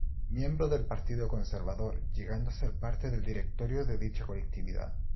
Miembro del Partido Conservador, llegando a ser parte del directorio de dicha colectividad.